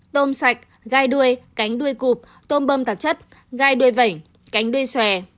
tôm sạch gai đuôi cánh đuôi cụp tôm bâm tạp chất gai đuôi vẩy cánh đuôi xòe